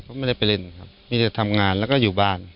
ก็ไม่ได้ไปเล่นครับมีแต่ทำงานแล้วก็อยู่บ้าน